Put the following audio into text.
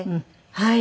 はい。